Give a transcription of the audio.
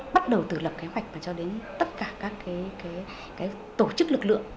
bắt đầu từ lập kế hoạch và cho đến tất cả các tổ chức lực lượng